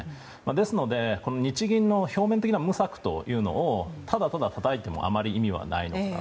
ですので日銀の表面的な無策というのをただただ、たたいてもあまり意味はないのかな。